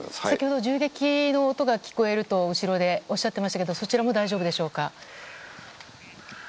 先ほど銃撃の音が聞こえると後ろでおっしゃってましたけどそちらも大丈夫でしょうか？